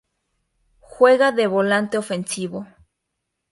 Juega de volante ofensivo.